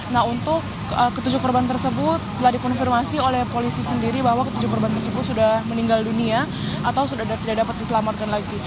nah untuk ketujuh korban tersebut telah dikonfirmasi oleh polisi sendiri bahwa ketujuh korban tersebut sudah meninggal dunia atau sudah tidak dapat diselamatkan lagi